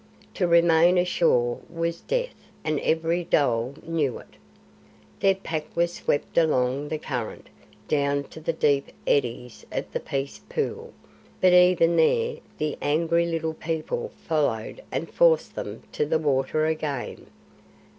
To remain ashore was death, and every dhole knew it. Their pack was swept along the current, down to the deep eddies of the Peace Pool, but even there the angry Little People followed and forced them to the water again.